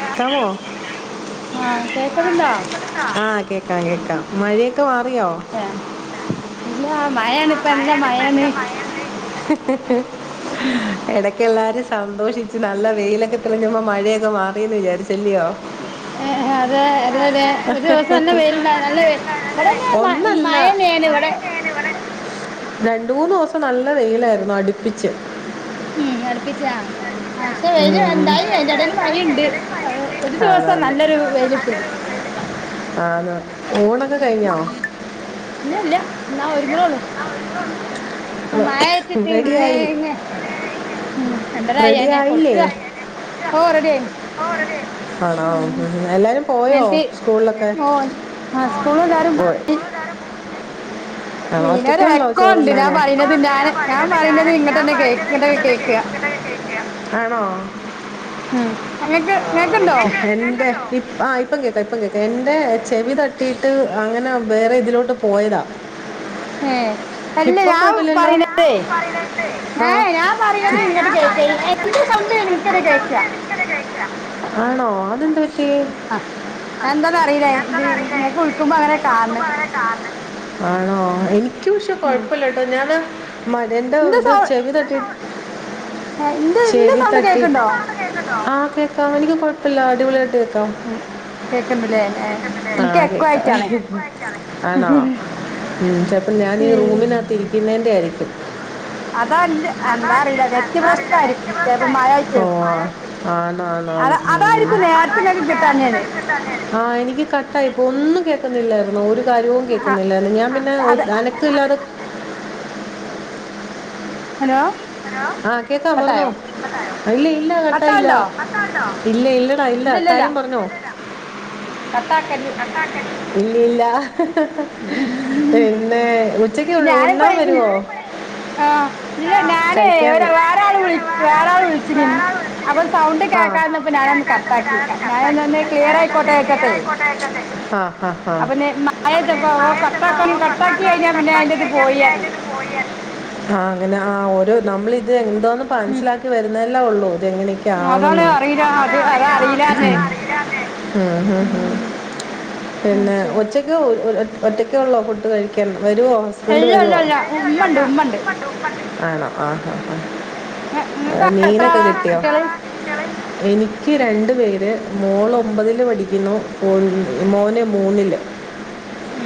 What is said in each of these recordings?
കേക്കാവോ ആഹ് കേക്കണുണ്ടോ ആ കേൾക്കാം കേൾക്കാം മഴയൊക്കെ മാറിയോ ഇല്ല മയ യാണ് ഇപ്പംമയ യാണ് [inaudible] ഇടക്ക എല്ലാരും സന്തോഷിച്ചു നല്ല വെയിലൊക്കെ തെളിഞ്ഞപ്പോ മഴയൊക്കെ മാറിയന്ന് വിചാരിച്ചു അതെ അതെ അതെ ഒരു ദിവസം തന്നെ വെയിലുണ്ടായിരുന്നു നല്ല ഇവിടെന്നെ മ മ മയനെയാണ് ഇവിടെ രണ്ട് മൂന്ന് ദിവസം നല്ല വെയിലായിരുന്നു അടുപ്പിച്ച് ഉം അടുപ്പിച്ചാ പക്ഷെ വെയിൽ ഉം. ഉണ്ടായി അതിന്റെടേൽ മയ ഉണ്ട് ഒരു ദിവസം നല്ലൊരു വെയിൽ കിട്ടിയത് ആന്നോ ഊണൊക്കെ കഴിഞ്ഞോ ന ഒരുങ്ങുന്നതേയുള്ളൂ ഹലോ മഴ ആയിട്ടത്തി നിന്നെ റെഡിയായി ഇ [unintelligible] ഉം രണ്ടര കഴിയാനായി റെഡിയായില്ലേ കൊടുക്കുക ഓ റെഡിയായിന് ആണോ എല്ലാരും പോയോ എന്നിട്ട് സ്കൂളിലൊക്കെ [inaudible] ഓ ആഹ് സ്കൂള് എല്ലാരും ആ ദീനൊരു ഒറ്റക്കള്ളോ എക്കോ ഉണ്ട് ഞാൻ ചോറുണ്ണാന് പറയുന്നത് ഞാൻ ഞാൻ പറയുന്നത് ഇങ്ങട്ടന്നെ കേ ഇങ്ങട്ടൊക്കെ കേക്ക ആണോ ഉം അങ്ങക്ക് ആ ഇങ്ങക്ക്ണ്ടോ എന്താ ഇ ആ ഇപ്പം കേൾക്കാ ഇപ്പം കേക്കാ എൻന്റെ ചെവി തട്ടിയിട്ട് അങ്ങനെ വേറെ ഇതിലോട്ട് പോയതാ ഹേ ഇപ്പം കൊഴപ്പില്ലല്ലോ ആ ഏ ഞാൻ പറയുന്നത് ഇങ്ങട്ട് കേക്ക എന്റെ സൗണ്ട് എനിക്കന്നെ കേക്ക ആണോ അതെന്താ പറ്റി ആ എന്താന്ന അറിയില്ലേ ഇത് എന്താണെന്നറിയില്ല ഇങ്ങക്ക് എനിക്ക് വിളിക്കുമ്പോ അങ്ങനെ എന്നെ കാണണ് കൊടുക്കുമ്പോൾ അങ്ങനെ കാണണം ആണോ എനിക്ക പക്ഷെ കൊഴപ്പില്ലട്ടോ ഞാന് മടന്റെ ഇന്റെ ഇത് സൗ ചെവി തട്ടിട്ട് ഏ ഇന്റെ ഇന്റെ ചേവി സൗണ്ട് തട്ടി കേക്ക്ണ്ടോ ആ കേക്കാം എനിക്ക് കൊ അല്ല അടിപൊളിയായിട്ട് കേക്കാം ഉം കേക്ക്ണ്ട്ല്ലേ ഏ ആ ഇൻക്ക് എക്കോ കേക്കാം ആയിട്ടാണ് ആണോ ഉ ചെലപ്പോ ഞാൻഈ ഈ റൂമിനകത്തി ഇരിക്കുന്നേന്റെ ആയിരിക്കും അതാ എന്താ അറിയില്ല നെറ്റ് പ്രശ്നായിരിക്കും ചെലപ്പോ മഴ ആയിട്ടേ ഓ ആ നാണ് അത അതായിരിക്കും നേരത്തെ ഇങ്ങക്ക് കിട്ടാഞ്ഞത് ആ എനിക്ക് കട്ടായിപ്പോ ഒന്നും കേൾക്കുന്നില്ലായിരുന്നോ ഒരു കാര്യവും ആ കേൾക്കുന്നില്ലായിരു ഞാൻ പിന്നെ അത് അനക്ക ഇല്ലാതെ ഹലോ ഹലോ ആഹ് കേക്കാ പറഞ്ഞോ കട്ടായോ കട്ട് ആയോ ഇല്ല ഇല്ല കട്ട ഇല്ല കട്ടാണ്ടോ ഇല്ല ഇല്ലടാ ഇൽ ല്ല കാര്യം പറഞ്ഞോ കട്ട് അക്കാല് ഇല്ലില്ല പിന്നെ ഇവ് ഉച്ചക്ക് [unintelligible] ഉണ്ണാൻ വരുവോ ആഹ് ഇല്ല നാനെ ഒര് വേറെ ഞാന് ആൾ വിളി വേറെ ആൾ വിളിച്ന് [unintelligible] ആഹ് ആഹ് ഞാനൊന്ന് ക്ലിയർ ആയിക്കോട്ടെ വെച്ചിട്ടേ അഹ് അപ്പൊ നെ- മഴയത്തപ്പോ കട്ടാക്കി കട്ടാക്കി കഴിഞ്ഞാ പിന്നെ ആഹ് അതിന്റെ ഇത് പോയി അറിഞ്ഞു അങ്ങനെ ആഓ ര് നമ്മളിത് എന്താന്ന് മനസ്സിലാക്കി വരുന്നല്ലേ ഒള്ളൂ എങ്ങനക്ക അതാണ് ആണെന്നോ അറിയില്ല അത് അതാ അറിയില്ലാറിഞ്ഞ് ഉം [unintelligible] ഉം പിന്നെ ശരി ഒച്ചക്ക് ഒറ്റക്കേഒള്ളോ ഫുട്ട് കയിക്കൻ വരുവോ ഹസ്ബൻഡ് ഇല്ല ഇല്ല വരുവോ [unintelligible] ഇല്ല ഉമ്മണ്ട് ഉമ്മണ്ട് ആണോ ആഹ് അഹ് അഹ് നിങ്ങക്ക് ആഹ് എത്ര മീനക്കെ ആളാ കിട്ടിയോ കുട്ടികള് എനിക്ക് രണ്ട് പേര് മോള് ഒമ്പതില് പഠിക്കുന്നു ഒ [unintelligible] മോന് മൂന്നില് ഉം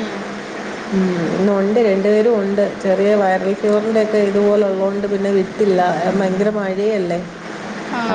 ഉം ന്നൊണ്ട് രണ്ടു പേരും ഒണ്ട് ചെറിയ വൈറൽ ഫീവറിന്റെക്കെ ഇതുപോലൊള്ളോണ്ട് പിന്നെ വിട്ടില്ല [unintelligible] ങ്ക്ര മഴയല്ലേ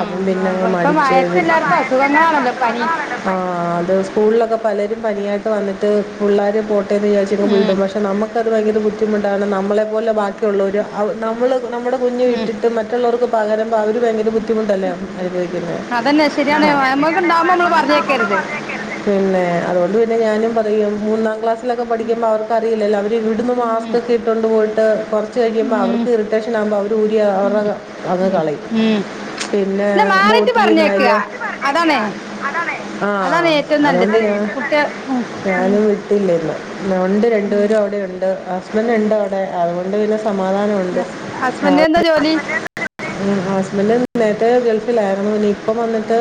അപ്പം പിന്നെങ്ങ് അപ്പൊ ഇപ്പൊ മടിച്ച് [unintelligible] മഴയത്ത് എല്ലാർക്കും അസുഖങ്ങളാണല്ലോ പനി അഹ് അഹ് അത് സ്കൂളിലൊക്കെ പലരും പനിയാട്ട് വന്നിട്ട് പുള്ളേരും പോട്ടേന്ന് - [unintelligible] ഉം വിടും പക്ഷെ നമക്കത് ഭയങ്കര ബുദ്ധിമുട്ടാണ് നമ്മളെ പോലെ ബാക്കിയുള്ളോര് [unintelligible] നമ്മൾ നമ്മുടെ കുഞ് ഉം വിട്ടിട്ട് മറ്റൊള്ളോർക്ക് പകരമ്പ അവര് ഭയങ്കര ബുദ്ധിമുട്ടല്ലേ അനുഭവിക്കുന്നെ അതന്നെ അഹ് ശരിയാണ് [unintelligible] അതന്നെ നമ്മക്ക് ശരിയാണ് ഇണ്ടാവുമ്പോ നമ്മള് വഴക്കൊല്ക്കെ ഉണ്ടാവുമ്പോ നമ്മള് പറഞ്ഞേക്കരുത് പറഞ്ഞ [unintelligible] പിന്നെ അതൊണ്ട് പിന്നെ ഞാനും പറയും മൂന്നാം ക്ലാസി ക്കെ ഉം പഠിക്ക്മ്പോ അവർക്കറിയില്ലല്ലോ അവര് ഇവിട്ന്ന് ഉം മാസ്ക്ക്കെട്ടൊണ്ട് പോയിട്ട് കൊറച്ച് കഴിമ്പോ ഉം അവർക്ക് ഇറിട്ടേഷനാ അവര് ഊരി അവറെ ഉം അങ്ങ് കളയും ഉം പിന്നെ മാറിട്ട് പറഞ്ഞേക്കുക ബോട്ടിൽന്നല് അതാണേ അതാണ് ഏറ്റവും അതുകൊണ്ട് നല്ലത് ഞാൻ കുട്ടി ഉം ഉം ഞാനും വിട്ടില്ല ഇന്ന് ഉണ്ട് രണ്ടു ഉം പേരും അവിടെ ഉണ്ട് ഹസ്ബൻഡ് ഉണ്ട് അവിടെ അതുകൊണ്ട് പിന്നെ സമാധാനമുണ്ട് ഹസ് ഹസ്ബൻഡിന് എന്താ രാവിലെ ജോലി ഹസ്ബന്റ് നേരത്തെ ഗൾഫിലായിരുന്നു ഇനി ഇപ്പം വന്നിട്ട്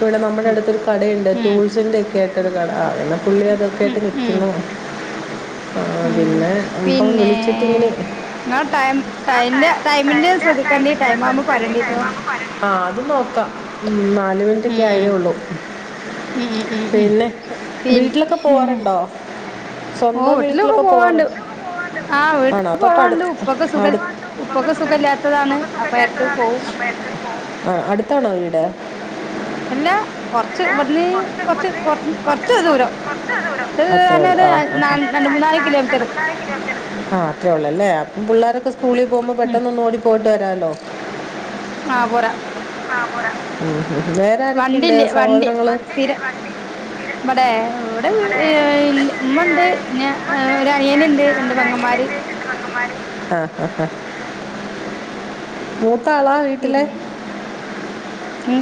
ഇവിടെ നമ്മുടെ ഉം അടുത്തൊരു കടയുണ്ട് ഉം ടൂൾസിന്റെ ഒക്കെ ആയിട്ടൊരു കട ആ പുള്ളി അതൊക്കെ ഉം ആയിട്ട് ഉം നിക്കുന്നു ഉം പിന്നെ വിളിച്ചിട്ടിങ്ങനെ ഇങ്ങളെ ടൈമ എന്നാൽ ടെ ടൈം ടൈമിന്റെ ടൈമിൻ്റെ ശ്രദ്ധ- ക്കേണ്ടി ടൈമിൻ്റെ ടൈം ആകുമ്പോൾ ശ്രദ്ധിക്കേണ്ടി ടൈം പറയേണ്ടിട്ടോ ആകുമ്പോൾ ആ അത് നോക്കാം ഉം നാല് മിനിറ്റ്ക്കെ ആയതേ ഒള്ളൂ ഉം ഉം ഉം ഉം പിന്നെ പിന്നെ വീട്ടിലൊക്കെ പോവാറുണ്ടോ ഓ സ്വന്തം വീട്ടിലൊക്കെ പോവാറ് പോവാണ്ട് ആ ഉ ആണോ വീട്ടില് പോവാണ്ട് തൊട്ടടുത്ത് ഉപ്പക്ക് സുഖ അടു ഉപ്പക്ക് സുഖല്ലാത്തതാണ് അപ്പൊ എടക്ക് പോവും ആ അടുത്താണോ വീട് അല്ലാ കൊറച്ച് ഇവിടന്ന് കുറച്ച് കൊറച്ച് കുറച്ച് കൊ കുറച്ച് കൊറച്ച് ദൂരം കുറച്ച് കുറച്ച് ദൂരം കുറച്ച് അത്രേ ഉള്ളൂ ആ പറഞ്ഞാ ആ, ആ. അങ്ങനെ ഒരു രണ്ട് മൂന്ന നാല് രണ്ട് കിലോമീറ്ററ് മൂന്നാല് ആ അത്രേയെള്ളല്ലേ അപ്പം പിള്ളോരൊക്കെ സ്കൂളിൽ പോകുമ്പോ ഉം പെട്ടെന്ന് ഒന്ന് ഓടി പോയിട്ട് വരാല്ലോ ആഹ് പോരാ ആ പോരാം വണ്ടില്ലേ വണ്ടി വണ്ടി സ്ഥിരം വണ്ടി ഇത് ഇമ്മടെ ഇവിടെ ഉമ്മ ഇവിടെ ഉണ്ട് പിന്ന ഇന്നുണ്ട് ഒരു അനിയൻ ഞാൻ ഉണ്ട് രണ്ട് പെങ്ങ- ങ്ങന്മാര് ആഹ് ആഹ് ആ മൂത്താളാ വീട്ടിലെ പിന്നെ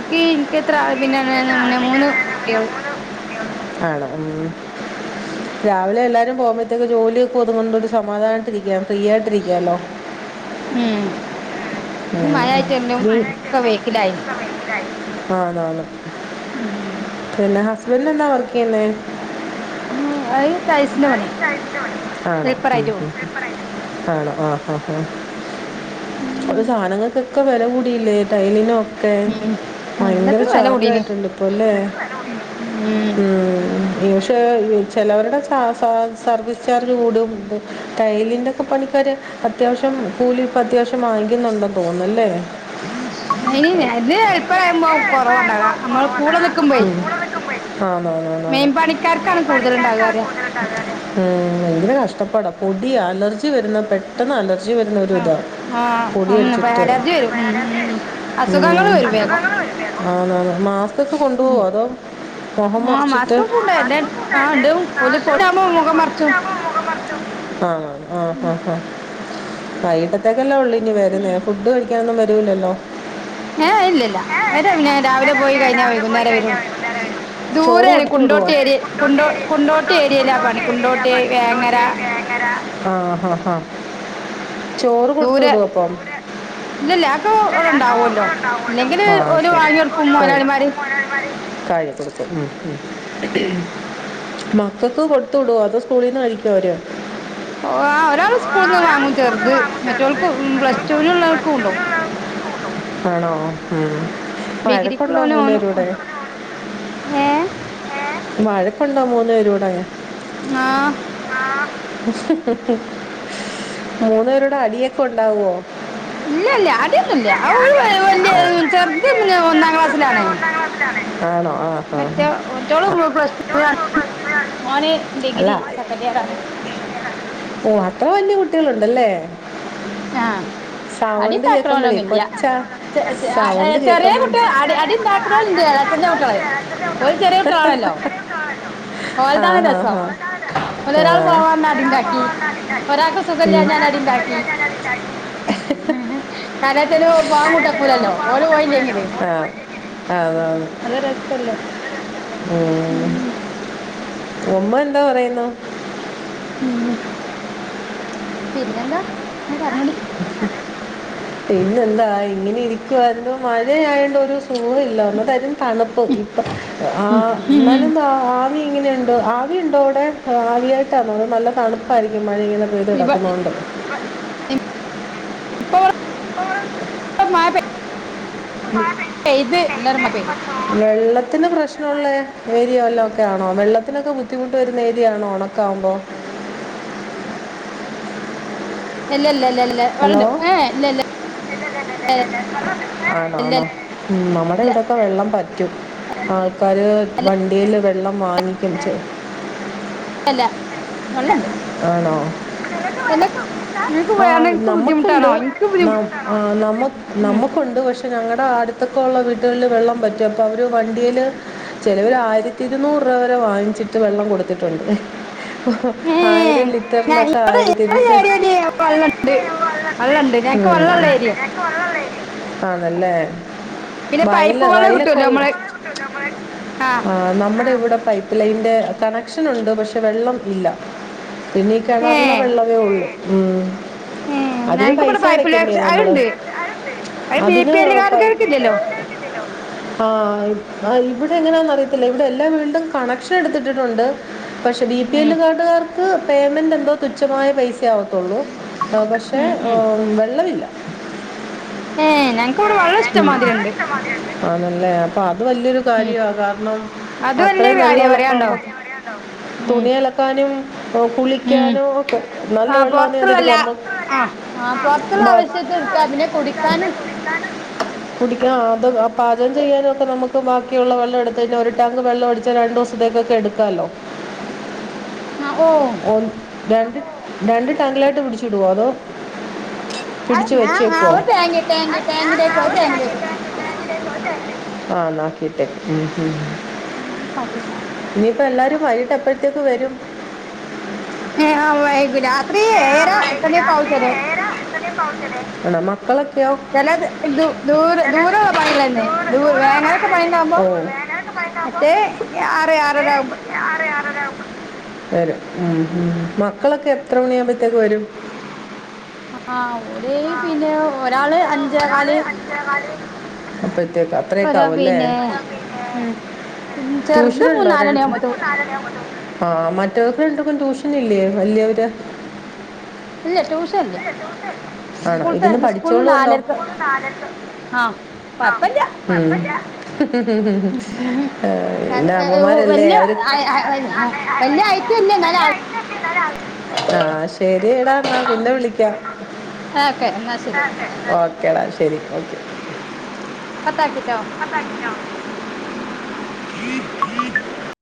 എനിക്ക് എത്ര എനിക്ക് പിന്ന എത്ര മന്നെ പിന്നെ മൂന്ന് പിന്നെ കുട്ടികൾ മൂന്ന് കുട്ടികളും ആണ് ഉം രാവിലെ എല്ലാരും പോകുമ്പോഴത്തേക്കും ജോലിയൊക്കെ ഒതുകൊണ്ട് ഒരു സമാധാനട്ടിരിക്ക ഫ്രീ ആയിട്ടിരിക്കല്ലോ ഉം ഇന്ന് മഴായിട്ട് എല്ലാം നീ ക വഴുക്കലായി ആ അതെല്ലെ അ [unintelligible] വർക്ക് ചെയ്യുന്നേ ഉം അയി ആണോ ഉം ഹെൽപ്പറായിട്ട് പോവും ഉം ആണോ ആ ആ ആ അത് സാധനങ്ങൾക്കെക്കെ ഒക്കെ വില കൂടിയില്ലേ ടൈലിനുംഒക്കെ ഉം ഭയങ്കര എല്ലാത്തിനും വെല ചാർജ് കൂടീന് ആയിട്ടുണ്ട് ഇപ്പല്ലേ ഉം പക്ഷേ ചിലവരുടെ ച- സർവീസ് ചാർജ് കൂടും ടയലിന്റെയൊക്കെ പണിക്കർ അത്യാവശ്യം കൂലിപ്പോ അത്യാവശ്യം വാങ്ങിക്കുന്നുണ്ടന്ന് തോന്നുന്നുല്ലേ അ ഇത് ഇപ്പം കൊറവാണ്ടക നമ്മൾ കൂടെ നിൽക്കുമ്പോയി ആന്ന് ആന്ന് കൂടുതലുണ്ടാക പറയാ ആന്ന് ഉം ഭയങ്കര കഷ്ടപ്പെടാ പൊടി അലർജി വരുന്ന പെട്ടെന്ന് അലർജി വരുന്ന ഒരു ആഹ് ഇതാ പൊടി ആഹ് അടിച്ചിട്ട് അലർജി വരും ഉം ഉം ഉം അസുഖങ്ങള് ഉം വരും അന്ന് വേഗം ആന്ന് ആ മാസ്കക്കെ കൊണ്ടു പോവുമോ അതോ മുഖം ഉം ആഹ് മറിച്ചിട്ട് മാസ്ക്കൊക്കെ ഉണ്ട് എന്റെ ആഹ് ഉണ്ട് ഓല് കൊടാകുമ്പോ മുഖം മറച്ചും ആ [unintelligible] ആ ആഹ് ആ ആ വൈകിട്ടത്തേക്കല്ലേ ഉള്ളൂ ഇനി വരുന്നെ ഫുഡ് കഴിക്കാനൊന്നും വരൂല്ലല്ലോ [unintelligible] ഏ ഇല്ലല്ല അവര് രാവിലെ പോയി അതിനൊന്നുമില്ല കഴിഞ്ഞ രാവിലെ പോയി വൈകുന്നേരം കഴിഞ്ഞാൽ വരുള്ളൂ വൈകുന്നേരം വരും ചോറ് ദൂരേണ് കൊടുത്തു വിടുവോ കുണ്ടോട്ടി ഏരിയ കുണ്ടോട്ട് കുണ്ടോ ഏരിയ കുണ്ടോട്ടി കുണ്ടോ ഏരിയ ങ്ങര കുണ്ടോട്ട് പണി ഏരിയയിലാണ് കുണ്ടോട്ട് പണി വേങ്ങര ആഹ ചോറ് കൊടുത്ത് ദൂരെ വിടൊ അപ്പം ഇല്ലില്ല അതൊക്കെ ഇവിടെ ഉണ്ടാവുമല്ലോ ഇല്ലെങ്കില് ഓല് വാങ്ങി കൊടുക്കും [unintelligible] മുതലാളിമാര് കായ് കൊടുക്കും ഉം ഉം മക്കക്ക് കൊടുത്ത് വിടൊ അതോ സ്കൂളീന്ന്‌ കഴിക്കൊ അവര് ഓ ആ ഒരാള് സ്കൂൾന്ന് ഒരാൾ വാങ്ങും സ്കൂളിൽ നിന്ന് ചെറുത് വാങ്ങും ചേർത്ത് മറ്റവൾക്ക് പ്ലസ്ടു മറ്റോൾക്ക് വിനുള്ളവൾക്ക് പ്ലസ് കൊണ്ടോകും ടുവിനുള്ള ആണോ ഉം. വഴക്കുണ്ടോ ഡിഗ്രിക്ക്ള്ളോൻ ഓന് മൂന്നുപേരൂടെ ഒരു ഏ വഴക്കുണ്ടാ മൂന്ന് പേരൂടെ ആ മൂന്നേരുടെ അടിയൊക്കെ ഉണ്ടാവോ ഇല്ല ഇല്ല അടിയൊന്നും ഇല്ല അവൾ വല്യ ചെറുത് പിന്നെ ഒന്നാം ക്ലാസിലാണ്. ആണോ ആ ആ മറ്റേ ഒറ്റോള് ആ. പ്ലസ്ടുനാണ്. മോന് അല്ല ഡിഗ്രി സെക്കൻഡിയറാണ്. ഓ അത്ര വലിയ കുട്ടികളുണ്ടല്ലേ ആ സൗണ്ട് കേക്കുമ്പളേ കൊച്ചാ ച ചെ സൗണ്ട് ചെറിയ കേൾക്കും കുട്ടികള് അടി അടി ഉണ്ടാക്കുന്നൊലുണ്ട് എളച്ചന്റെ കുട്ടികള് ഓല് ചെറിയ കുട്ടികളാണല്ലോ [unintelligible] ആഹ ആഹ് ആഹ ഓല് ഒരാൾ പോവാന്ന അടിണ്ടാക്കി ഒരാൾക്ക് ഉം. സുഖല്ല്യഞാൽ അടിണ്ടാക്കി [unintelligible] പോവാൻ കൂട്ടക്കൂലല്ലോ ഓല് പോയില്ലെങ്കില് ആ അതാണ് അത് രസല്ലേ ഉം ഉമ്മ എന്താ പറയുന്നു ഉം പിന്നെന്താ ങ്ങ പറഞ്ഞൂടി പിന്നെന്താ ഇങ്ങനെ ഇരിക്കുവാരുന്നു മഴയായൊണ്ട് ഒരു സുഖല്ല ഒന്നാതാരം തണുപ്പ് ഇപ്പ ഉം എന്നാലുംന്താ ആവി ഇങ്ങനെണ്ടോ ആവി ഉണ്ടോ അവിടെ [unintelligible] നല്ല തണുപ്പായിരിക്കും മഴങ്ങനെ പെയ്ത് ഇവ കിടക്കുന്നണ്ട് [unintelligible] മയ പെ ഉം [unintelligible] പെയ്ത് നല്ലൊര് മ പെയ്തു വെള്ളത്തിന്റെ പ്രശ്നമുള്ള ഏരിയ വല്ലോം ഒക്കെ ഒള്ള ഏരിയ ആണോ വെള്ളത്തിനൊക്കെ ബുദ്ധിമുട്ട് വരുന്ന ഏരിയാണോ ഒ ണക്കാവുമ്പോ [inaudible] ഇല്ല ഇല്ല ഇല്ല ഇല്ല ഹലോ വള്ളണ്ട് ഇല്ലല്ല ആണോ ഇല്ല ആണോ നമ്മുടെ ഇല്ല ഇവിടൊക്കെ വെള്ളം പറ്റ ആൾക്കാര് വണ്ടിയില് വെള്ളം വാങ്ങിക്കും ചെയ്യും. അല്ല ആണോ നിനക്ക് എന്നെ വരുന്നു നിനക്ക് ആ വേണക്ക് ബുദ്ധിമുട്ടാണോ നമ്മക്കൊണ്ട് എനിക്ക് ബുദ്ധി ന നമ് ഉം നമ്മക്കൊണ്ട് പഷേ ഞങ്ങളുടെ അടുത്തൊക്കെ ഉള്ള വീട്ടുകളിൽ വെള്ളം വറ്റും അപ്പോ അവര് വണ്ടിയില് ചിലവർ ആയിരത്തി ഇരുന്നൂ അത്രവരെ വാങ്ങിച്ചിട്ട് വെള്ളം കൊടുത്തിട്ടുണ്ട്. ഓ ഏ ആയിരം ഞാൻ ലിറ്ററിന്നൊക്കെ ഈ ആയിരം തിരിച്ച [unintelligible] ഏരിയയില് വെള്ളം വെള്ളണ്ട് മ് ഞങ്ങക്ക് വെള്ളമുള്ള ഏരിയ ആണല്ലേ പിന്നെ വയല പൈപ്പ് വെള്ളം കിട്ടുമല്ലോ വയലൊക്കെള്ള നമ്മള് ആ നമ്മുടെ ഇവിടെ പൈപ്പ് ലൈന്റെ കണക്ഷൻ ഉണ്ട് പക്ഷെ വെള്ളം ഇല്ല പിന്നീ ഏ കിണറില വെള്ളമേ ഉള്ളൂ ഉ ഏ അതിന് ഞങ്ങക്ക് ഇവിടെ പൈസ പൈപ്പ് ലൈൻ അടക്കണ്ടേ നമ്മള് അതുണ്ട് അത് ബി അതിന് പി പൈസ എല്ലുകാർക്ക് ഇല്ലല്ലോ ആ് ഇവിടെ എങ്ങനാ അറിയത്തില്ല ഇവിടെ എല്ലാ വീടിലും കണക്ഷൻ എടുത്തിട്ടിട്ടുണ്ട് പക്ഷെ ബി പി ഉം എല്ലു കാർഡുകാർക്ക് പേയ്മെൻറ് എന്തോ തുച്ഛമായ പൈസയാവത്തുള്ളൂ പക്ഷേ ഉം ഉം വെള്ളമില്ല ഏ ഞങ്ങക്ക് ഇവിടെ വെള്ളം ഇഷ്ടമാതിരി ഉണ്ട് ആണല്ലേ അപ്പൊ അത് വലിയൊരു ഉം കാര്യ കാരണം അത് അത്രേ വലിയ കാര്യ പറയാണ്ടോ വെള്ളഉള്ളപ്പമ്മ ഉം തുണി അലക്കാനും ഓ ഉം കുളിക്കാനോ ഒക്കെ നല്ല ആ പുറത്തുള്ളല്ല വെള്ളംന്ന്ട്ടക്കമ്മം ആ ആ് പൊറത്തുള്ള ആവശ്യത്തെ എടുക്ക പിന്നെ കുടിക്കാനും താണ് കുടിക്ക അതും അ പാചകം ചെയ്യാനൊക്കെ നമുക്ക് ബാക്കിയുള്ള വെള്ളം എടുത്തുകഴിഞ്ഞ ഒരു ടാങ്ക് വെള്ളം അടിച്ച രണ്ടു ദിവസം പുറത്തേയ്ക്കൊക്കെ എടുക്കാലോ ആ ഓ രണ്ട് രണ്ട് ടാങ്കിലയിട്ട് പിടിച്ചുടുവോ അതോ പിടിച്ചു അന്നാ ആ വെച്ചേക്കോ ട്ടാങ് താങ് യ താങ്ക് യു േ ട്ടങ്ക്ക [unintelligible] ആഹ് നാ കേട്ട ഉ ഉ [unintelligible] ഇനിയിപ്പോ എല്ലാരും വൈട്ട് എപ്പഴത്തേക്ക് വരും ആ വൈകും രാത്രി ഏയരാ ഏട്ടണി ക്കെ ആവും ചെ ആണോ മക്കളൊക്കെയോ ചല ദൂ ദൂര പെൂ വ [unintelligible] അങ്ങനൊക്കെ പണിണ്ടാവുമ്പോ ഓ. മറ്റേ ആറ് ആറര ആകുമ്പോ വരും ഉം മക്കളൊക്കെ എത്ര മണി ആവുമ്പോഴത്തേക്ക് വരും ആ ഓല് പിന്നെ ഒരാള് ഒരാള് അഞ്ചേകല് അഞ്ചേകാല് അപ്പോഴത്തേക്ക് ഒര അത്രയൊക്കെ ആവും അല്ലേ പിന്നെ ഒരു പിന്നെ ഉം പിന്നെ ചെർത് ട്യൂഷൻ ഉണ്ടോ മൂനാലണി രണ്ട് ആവുമ്പോത്തും ആ മറ്റവർക്ക് രണ്ടു പേർക്കും ട്യൂഷന് ഇല്ലേ വല്യവര് ഇല്ല ട്യൂഷൻ ഇല്ല ആണോ സ്കൂള ഇരുന്ന് ത സ്കൂള് പഠിച്ചോളുമല്ലോ നാലര്ക്ക് ആഹ ആ പിന്നെ ഉം അമ്മമാരല്ലേ അവര് [unintelligible] എന്നാലെ ആഹ് ശരി എടാ എന്നാ പിന്നെ വിളിക്കാം ഓക്കെ എന്നാ ശരി ഓക്കെ ഓക്കേടാ ശരി ഓക്കെ കട്ടാക്കിട്ടോ പഠിക്കണം [inaudible]